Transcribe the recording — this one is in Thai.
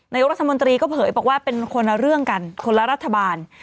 นายกรัฐมนตรีก็เผยบอกว่าเป็นคนละเรื่องกันคนละรัฐบาล